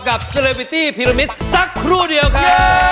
กับเซเลเบอร์ตี้พิริมิตสักครู่เดียวค่ะ